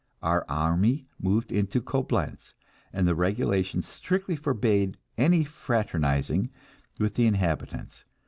Our army moved into Coblentz, and the regulations strictly forbade any fraternizing with the inhabitants.